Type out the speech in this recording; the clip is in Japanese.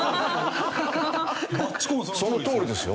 そのとおりですよ。